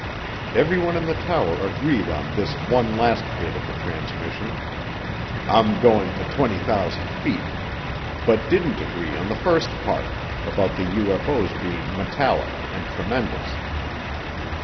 Everyone in the tower agreed on this one last bit of the transmission, "I'm going to 20,000 feet," but didn't agree on the first part, about the UFO's being metallic and tremendous.